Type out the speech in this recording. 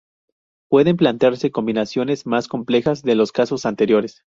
Pueden plantearse combinaciones más complejas de los casos anteriores.